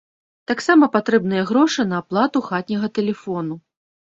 Таксама патрэбныя грошы на аплату хатняга тэлефону.